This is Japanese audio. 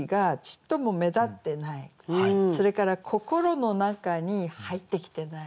それから心の中に入ってきてない。